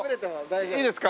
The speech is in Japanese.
いいですか？